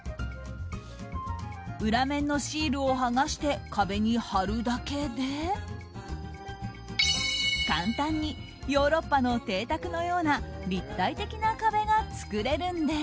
裏面のシールを剥がして壁に貼るだけで簡単にヨーロッパの邸宅のような立体的な壁が作れるんです。